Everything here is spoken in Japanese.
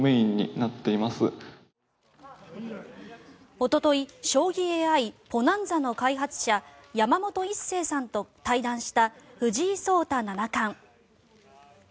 おととい、将棋ＡＩＰｏｎａｎｚａの開発者山本一成さんと対談した藤井聡太七冠。